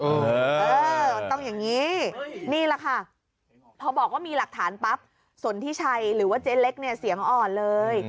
เออต้องอย่างนี้นี่แหละค่ะพอบอกว่ามีหลักฐานปั๊บสนทิชัยหรือว่าเจ๊เล็กเนี่ยเสียงอ่อนเลย